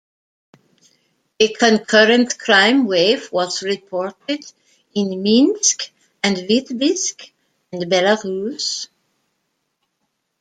A concurrent crime wave was reported in Minsk and Vitebsk, Belarus.